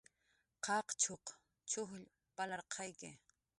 Qaqchuq chujll palarqayki